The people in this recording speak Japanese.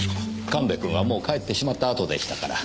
神戸君はもう帰ってしまったあとでしたから。